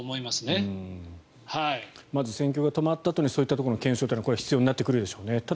まず、戦況が止まったあとでそういったところの検証は必要になってくるでしょうね。